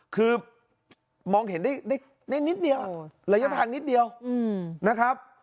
คือมองเห็นได้นิดเดียวระยะทางนิดเดียวนะครับ